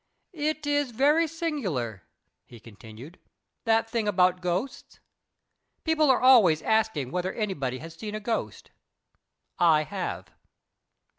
"It is very singular," he continued, "that thing about ghosts. People are always asking whether anybody has seen a ghost. I have."